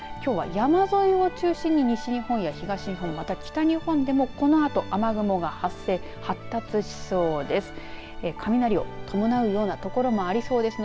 きょうは山沿いを中心に西日本や東日本にまた北日本でも雨雲が発生、発達しそうです。